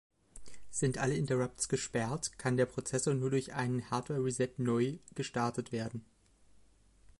Sind alle Interrupts gesperrt, kann der Prozessor nur durch einen Hardware-Reset neu gestartet werden.